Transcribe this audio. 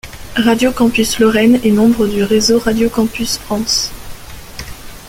Radio Campus Lorraine est membre du réseau Radio Campus France.